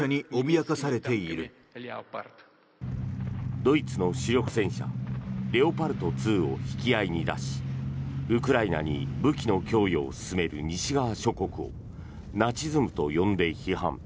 ドイツの主力戦車レオパルト２を引き合いに出しウクライナに武器の供与を進める西側諸国をナチズムと呼んで批判。